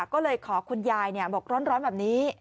ก็เลยขอคุณยายบอกร้อนแบบนี้